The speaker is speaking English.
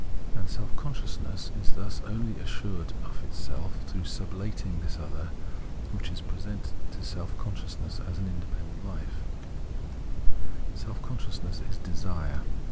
And self con sciousness is thus only assured of itself through sublating this other, which is presented to self consciousness as an independent hfe ; self consciousness is Desire.